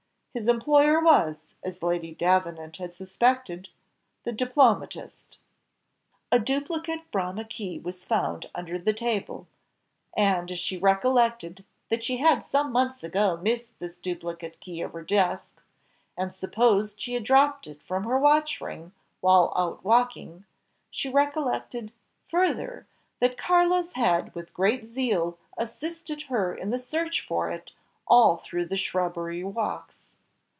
His employer was, as Lady Davenant had suspected the diplomatist! A duplicate Bramah key was found under the table, and she recollected that she had some months ago missed this duplicate key of her desk, and supposed she had dropped it from her watch ring while out walking; she recollected, further, that Carlos had with great zeal assisted her in the search for it all through the shrubbery walks.